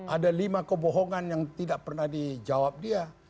ada lima kebohongan yang tidak pernah dijawab dia